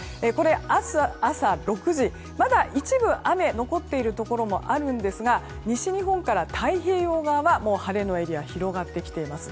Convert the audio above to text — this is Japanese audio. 明日朝６時、まだ一部で雨が残っているところもありますが西日本から太平洋側はもう晴れのエリア広がってきています。